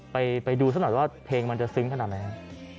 ไปดูสำหรับว่าเพลงมันจะซึ้งขนาดไหน